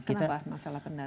kenapa masalah pendanaan